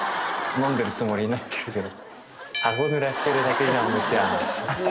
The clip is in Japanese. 飲んでるつもりになってるけど。